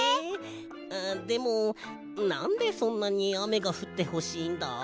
ああでもなんでそんなにあめがふってほしいんだ？